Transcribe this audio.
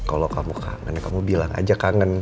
kalau kamu kangen ya kamu bilang aja kangen